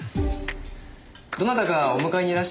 どなたかお迎えにいらっしゃるんですか？